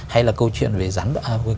hay là câu chuyện về gián đoạn